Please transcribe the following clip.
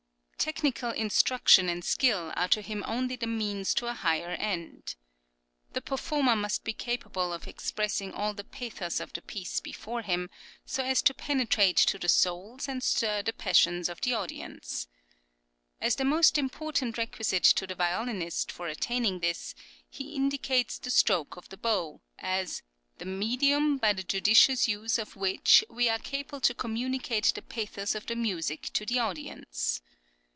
Technical instruction and skill are to him only the means to a higher end. The performer must be capable of expressing all the pathos of the piece before him, so as to penetrate to the souls and stir the passions of the audience (pp. 52, 253).[10020] As the most important requisite to the violinist for attaining this, he indicates the stroke of the bow (p. 122) as "the medium by the judicious use of which we are able to communicate the pathos of the music to the audience."